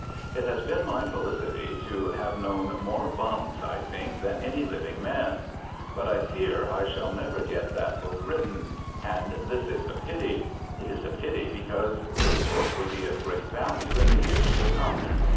It has been my felicity to have known more bums, I think, than any living man. But I fear I shall never get that book written. And this is a pity. It is a pity because this book would be of great value in the years to come.